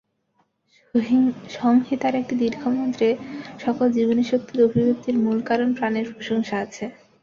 সংহিতার একটি দীর্ঘ মন্ত্রে সকল জীবনীশক্তির অভিব্যক্তির মূল কারণ প্রাণের প্রশংসা আছে।